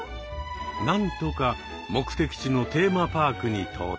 なんとか目的地のテーマパークに到着。